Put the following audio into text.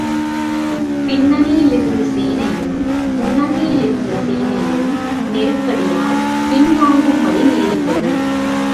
பின்னணியிலிருந்த சேனையும், முன்னணியிலிருந்த சேனையும் நெருக்கடியால் பின் வாங்கும்படி நேரிட்டது.